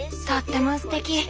とってもすてき。